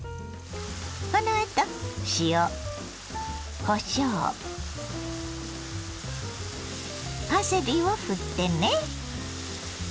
このあと塩こしょうパセリをふってね。